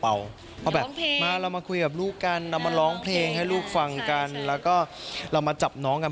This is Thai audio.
เพราะแบบมาเรามาคุยกับลูกกันเรามาร้องเพลงให้ลูกฟังกันแล้วก็เรามาจับน้องกัน